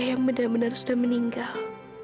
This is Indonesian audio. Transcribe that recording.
yang benar benar sudah meninggal